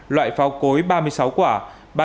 loại pháo cối ba mươi sáu quả